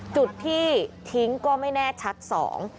จุดที่ทิ้งก็ไม่แน่ชัดสอง